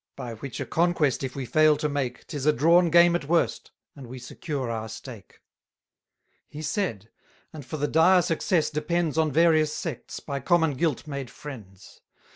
By which a conquest if we fail to make, 'Tis a drawn game at worst, and we secure our stake. He said, and for the dire success depends On various sects, by common guilt made friends.